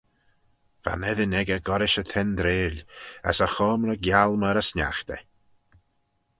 Va'n eddin echey gollrish y tendreil, as e choamrey gial myr y sniaghtey.